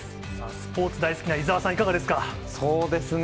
スポーツ大好きな伊沢さん、そうですね。